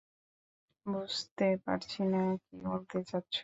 বুঝতে পারছি না কী বলতে চাচ্ছ।